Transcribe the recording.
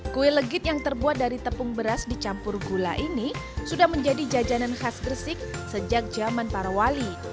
kue legit yang terbuat dari tepung beras dicampur gula ini sudah menjadi jajanan khas gresik sejak zaman para wali